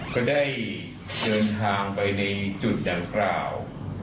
ก็ได้เดินทางไปในจุดดังกล่าว